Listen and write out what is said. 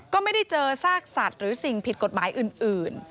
ก็ไม่ได้เจอซากสัตว์หรือสิ่งผิดกฎหมายอื่น